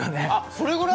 それぐらい？